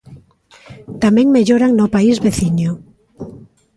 Tamén melloran no país veciño.